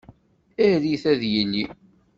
Err-it ad yili.